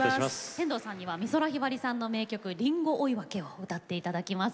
天童さんには美空ひばりさんの名曲「リンゴ追分」を歌っていただきます。